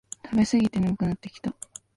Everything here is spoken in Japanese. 食べすぎて眠くなってきた